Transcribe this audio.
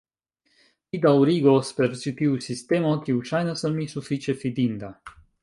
Mi daŭrigos per ĉi tiu sistemo, kiu ŝajnas al mi sufiĉe fidinda.